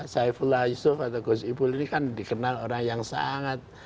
saifullah yusuf atau gus ipul ini kan dikenal orang yang sangat